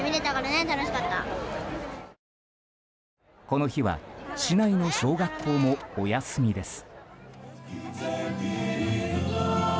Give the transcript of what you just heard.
この日は市内の小学校もお休みです。